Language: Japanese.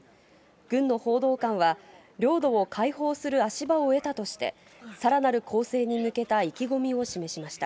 軍の報道官は、領土を解放する足場を得たとして、さらなる攻勢に向けた意気込みを示しました。